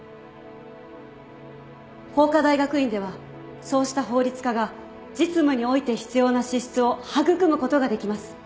法科大学院ではそうした法律家が実務において必要な資質を育むことができます。